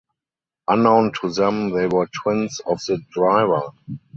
Unknown to them they are twins of the driver.